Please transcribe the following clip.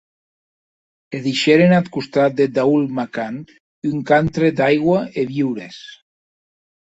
E deishèren ath costat de Daul’makan, un cantre d’aigua e viures.